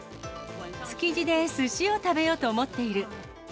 築地ですしを食べようと思っている。